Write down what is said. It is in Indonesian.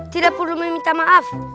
tidak perlu meminta maaf